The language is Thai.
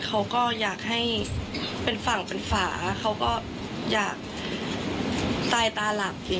เขาก็อยากให้เป็นฝั่งเป็นฝาเขาก็อยากตายตาหลับอยู่